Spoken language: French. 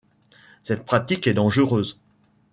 Cette pratique est dangereuse.